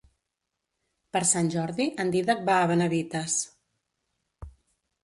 Per Sant Jordi en Dídac va a Benavites.